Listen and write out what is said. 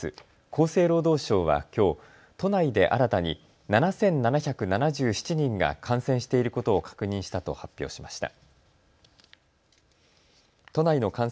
厚生労働省はきょう都内で新たに７７７７人が感染していることを確認したと発表しました。